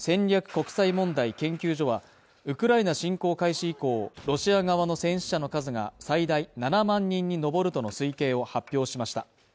国際問題研究所はウクライナ侵攻開始以降、ロシア側の戦死者の数が最大７万人に上るとの推計を発表しました。